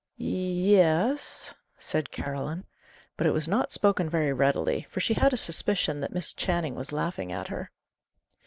"Y es," said Caroline. But it was not spoken very readily, for she had a suspicion that Miss Channing was laughing at her.